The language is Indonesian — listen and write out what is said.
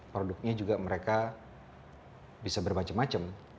produknya juga mereka bisa bermacam macam